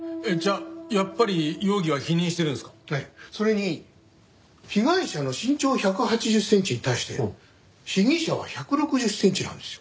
それに被害者の身長１８０センチに対して被疑者は１６０センチなんですよ。